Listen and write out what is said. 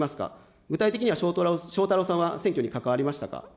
具体的には翔太郎さんは選挙に関わりましたか。